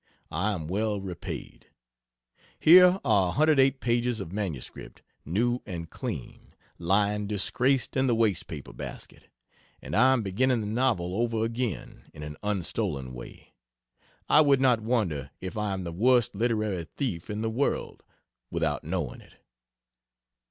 I am well repaid. Here are 108 pages of MS, new and clean, lying disgraced in the waste paper basket, and I am beginning the novel over again in an unstolen way. I would not wonder if I am the worst literary thief in the world, without knowing it.